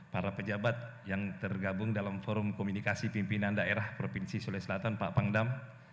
para pejabat yang tergabung dalam forum komunikasi pimpinan daerah provinsi sulawesi selatan pak pangdam